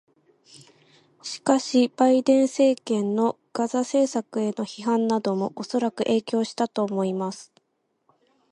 しかし、バイデン政権のガザ政策への批判などもおそらく影響したと思います。